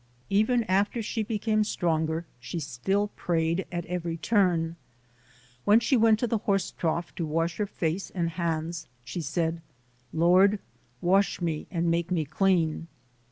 Even after she became stronger she still prayed at every turn. When she went to the horse trough to wash her face and hands, she said, "Lord, wash me and make me clean".